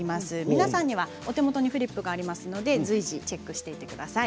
皆さんにはお手元にフリップがありますので随時チェックしてください。